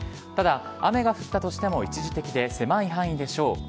ただ、雨が降ったとしても一時的で狭い範囲でしょう。